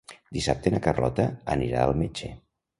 Dissabte na Carlota anirà al metge.